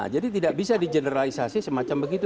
jadi tidak bisa dijeneralisasi semacam begitu